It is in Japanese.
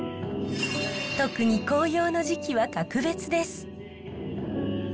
特に紅葉の時期は格別です。